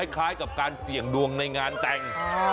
คล้ายกับการเสี่ยงดวงในงานแต่ง